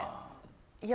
いや。